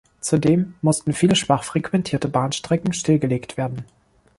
Zudem mussten viele schwach frequentierte Bahnstrecken stillgelegt werden.